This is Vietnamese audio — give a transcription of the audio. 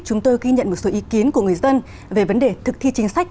chúng tôi ghi nhận một số ý kiến của người dân về vấn đề thực thi chính sách